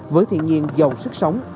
với thiện nhiên giàu sức sống